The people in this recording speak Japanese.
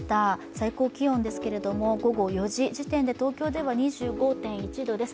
最高気温ですが、午後４時時点で東京では２５．１度です。